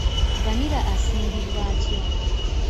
Vanilla asimbibwa atya?